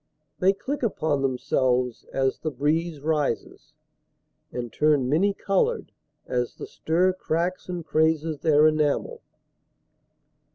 They click upon themselves As the breeze rises, and turn many colored As the stir cracks and crazes their enamel.